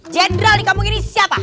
jenderal di kampung ini siapa